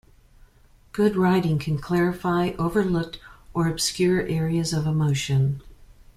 Good writing can clarify overlooked or obscure areas of emotion.